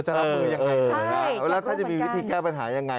ใช่ก็อยากรู้บางกันถ้าจะมีวิธีแก้ปัญหายังไง